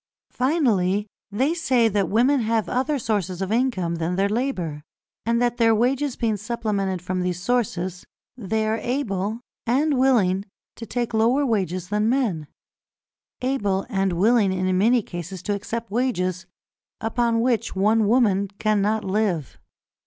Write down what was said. Finally, they say that women have other sources of income than their labour, and that their wages being supplemented from these sources, they are able and willing to take lower wages than men, able and willing in many cases to accept wages upon which one woman cannot live.